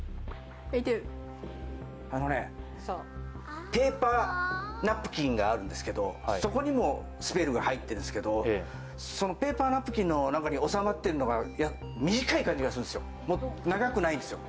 あのねペーパーナプキンがあるんですけどそこにもスペルが入ってるんですけどそのペーパーナプキンの中に収まってるのが短い感じがするんですよ長くないんですよ